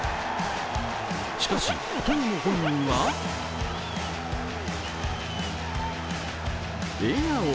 しかし、当の本人は笑顔。